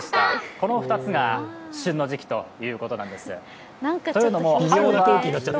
この２つが旬の時期ということなんです。